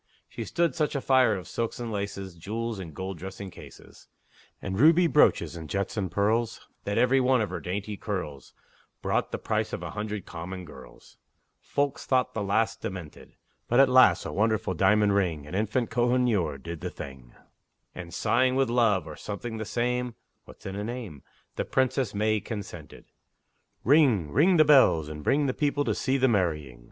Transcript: She stood such a fire of silks and laces, Jewels and gold dressing cases, And ruby brooches, and jets and pearls, That every one of her dainty curls Brought the price of a hundred common girls; Folks thought the lass demented! But at last a wonderful diamond ring, An infant Kohinoor, did the thing, And, sighing with love, or something the same, (What's in a name?) The Princess May consented. Ring! ring the bells, and bring The people to see the marrying!